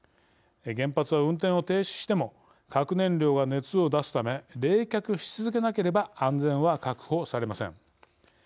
原発は運転を停止しても核燃料が熱を出すため冷却し続けなければ安全は確保されません。